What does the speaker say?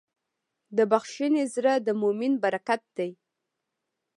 د بښنې زړه د مؤمن برکت دی.